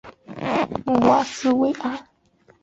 穆瓦斯维尔。